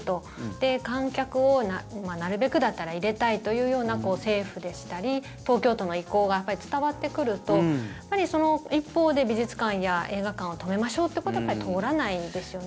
で、観客をなるべくだったら入れたいというような政府でしたり東京都の意向が伝わってくるとその一方で美術館や映画館を止めましょうということが通らないんですよね。